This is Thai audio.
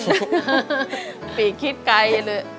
จะคลิกไกลเลย